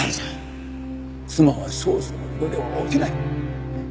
妻は少々の事では起きない。